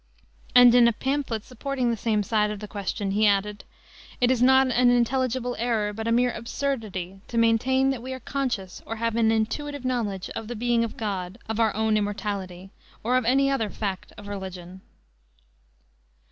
And in a pamphlet supporting the same side of the question he added: "It is not an intelligible error but a mere absurdity to maintain that we are conscious, or have an intuitive knowledge, of the being of God, of our own immortality ... or of any other fact of religion."